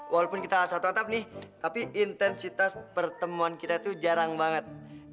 walaupun kita harus satu atap nih tapi intensitas pertemuan kita itu jarang banget